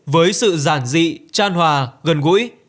với sự giản dị tran hòa gần gũi